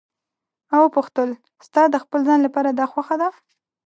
ما وپوښتل: ستا د خپل ځان لپاره دا خوښه ده.